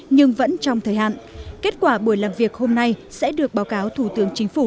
nhưng vẫn trong thời hạn kết quả buổi làm việc hôm nay sẽ được báo cáo thủ tướng chính phủ